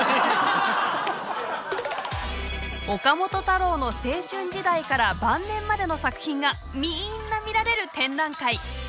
岡本太郎の青春時代から晩年までの作品がみんな見られる展覧会。